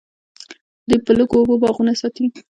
دوی په لږو اوبو باغونه ساتي.